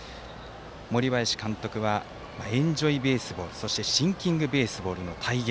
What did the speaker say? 森林監督は「エンジョイベースボール」「シンキングベースボール」の体現。